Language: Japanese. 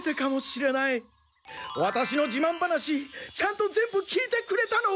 ワタシのじまん話ちゃんと全部聞いてくれたのは！